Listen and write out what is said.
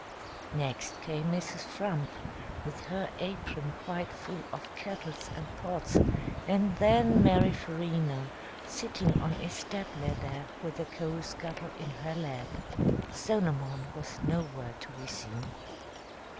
Next came Mrs. Frump, with her apron quite full of kettles and pots, and then Mary Farina, sitting on a step ladder with the coal scuttle in her lap. Solomon was nowhere to be seen.